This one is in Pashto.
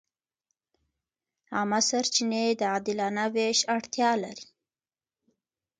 عامه سرچینې د عادلانه وېش اړتیا لري.